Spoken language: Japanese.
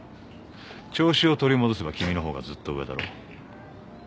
調子を取り戻せば君のほうがずっと上だろう。